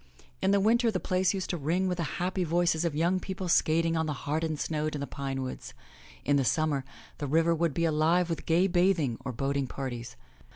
In the winter the place used to ring with the happy voices of young people skating on the hardened snow in the pine woods. In the summer the river would be alive with gay bathing or boating parties.